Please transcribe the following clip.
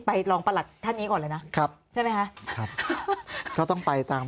รองประหลัดท่านนี้ก่อนเลยนะครับใช่ไหมคะครับก็ต้องไปตาม